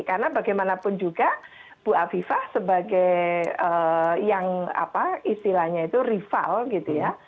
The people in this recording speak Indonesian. karena bagaimanapun juga bu afifah sebagai yang apa istilahnya itu rival gitu ya